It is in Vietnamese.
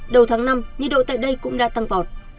đầu tháng năm nhiệt độ tại đây cũng đã tăng vọt